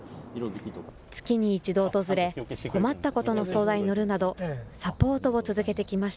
月に１度訪れ、困ったことの相談に乗るなど、サポートを続けてき